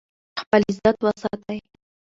خپل عزت وساتئ.